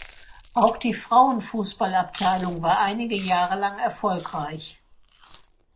Auch die Frauenfußballabteilung war einige Jahre lang erfolgreich.